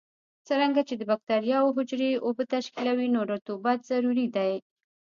څرنګه چې د بکټریاوو حجرې اوبه تشکیلوي نو رطوبت ضروري دی.